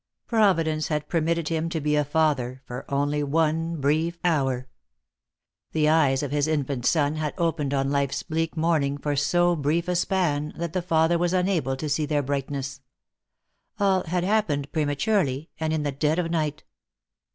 Providence had permitted him to be a father only for one brief hour. The eyes of his infant son had opened on life's bleak morning for so brief a span that the father was unable to see their brightness. All had happened prematurely, and in the dead of night.